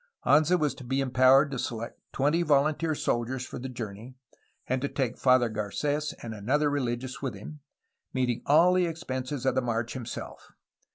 Anza was to be empowered to select twenty volunteer soldiers for the journey and to take Father Garces and another rehgious with him, meeting all the expenses of the march himself.